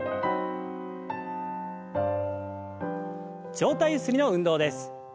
上体ゆすりの運動です。